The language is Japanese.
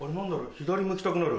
左向きたくなる。